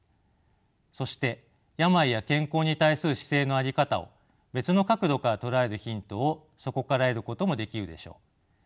そして病や健康に対する姿勢の在り方を別の角度から捉えるヒントをそこから得ることもできるでしょう。